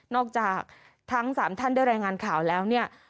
จากทั้ง๓ท่านได้รายงานข่าวแล้วเนี่ย